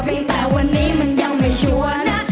เพียงแต่วันนี้มันยังไม่สั่วนะ